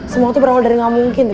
semua tuh berawal dari gak mungkin